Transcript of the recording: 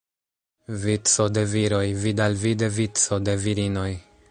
Vico de viroj, vidalvide vico de virinoj.